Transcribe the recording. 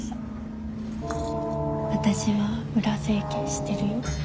私は裏整形してるよ。